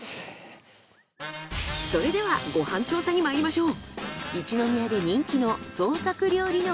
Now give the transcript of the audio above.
それではご飯調査にまいりましょう。